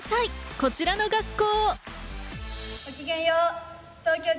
こちらの学校。